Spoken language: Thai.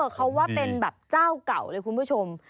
เขาว่าเป็นแบบเจ้าเก่าเลยคุณผู้ชม